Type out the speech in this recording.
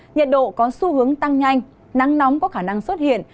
nhiệt độ có xu hướng tăng nhanh nắng nóng có khả năng xuất hiện